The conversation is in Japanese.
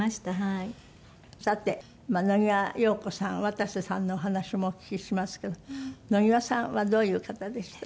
渡瀬さんのお話もお聞きしますけど野際さんはどういう方でした？